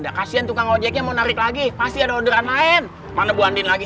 ada kasian tukang ojeknya mau narik lagi pasti ada orderan lain mana bu andiin lagi